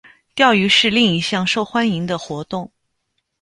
钓鱼是另一项受欢迎的活动。